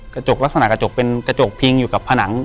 กระจกลักษณะกระจกเป็นกระจกพิงอยู่กับผนัง